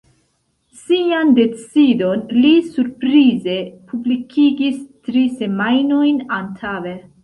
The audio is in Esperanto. Sian decidon li surprize publikigis tri semajnojn antaŭe.